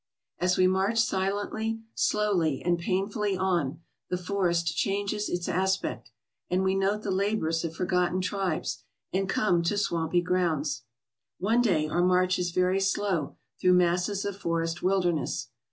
As we march silently, slowly, and painfully on, the forest changes its aspect, and we note the labors of forgotten tribes and come to swampy grounds. One clay our march is very slow through masses of forest wilderness.